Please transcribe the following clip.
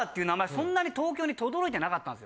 そんなに東京に轟いてなかったんです。